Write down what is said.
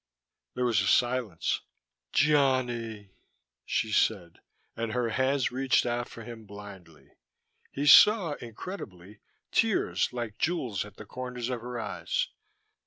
There was a silence. "Johnny," she said, and her hands reached out for him blindly. He saw, incredibly, tears like jewels at the corners of her eyes.